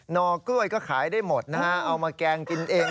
อกล้วยก็ขายได้หมดนะฮะเอามาแกงกินเอง